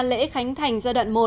lễ khánh thành giai đoạn một